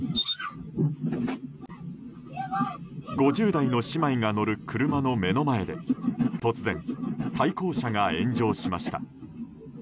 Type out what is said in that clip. ５０代の姉妹が乗る車の目の前で突然、対向車が炎上しました。